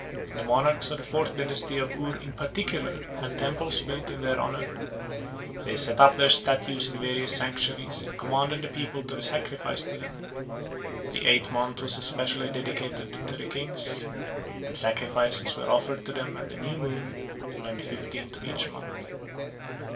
The monarchs of the fourth dynasty of Ur in particular had temples built in their honour; they set up their statues in various sanctuaries and commanded the people to sacrifice to them; the eighth month was especially dedicated to the kings, and sacrifices were offered to them at the new moon and on the fifteenth of each month.